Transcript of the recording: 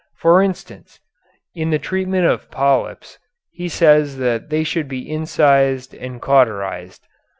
For instance, in the treatment of polyps he says that they should be incised and cauterized.